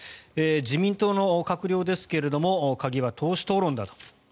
自民党の閣僚ですが鍵は党首討論だと。